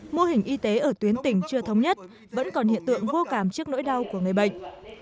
mô hình y tế ở tuyến tỉnh chưa thống nhất vẫn còn hiện tượng vô cảm trước nỗi đau của người bệnh